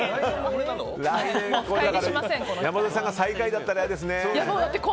山添さんが最下位だったら嫌ですね。